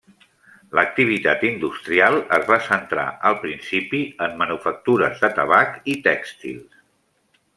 L'activitat industrial es va centrar al principi en manufactures de tabac i tèxtils.